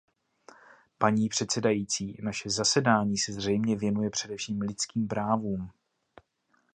Paní předsedající, naše zasedání se zřejmě věnuje především lidským právům.